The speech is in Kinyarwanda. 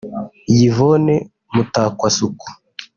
Yvonne Mutakwasuku